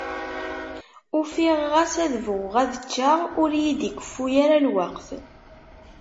Ufiɣ ɣas ad bɣuɣ ad ččeɣ, ur yi-d-ikeffu ara lweqt.